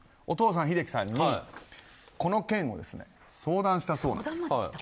お父さんの英樹さんにこの件を相談したそうです。